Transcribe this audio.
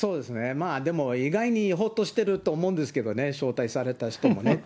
まあでも、意外にほっとしてると思うんですけどね、招待された人もね。